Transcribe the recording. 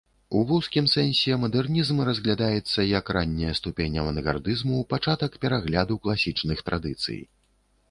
У вузкім сэнсе мадэрнізм разглядаецца як ранняя ступень авангардызму, пачатак перагляду класічных традыцый.